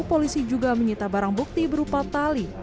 polisi juga menyita barang bukti berupa tali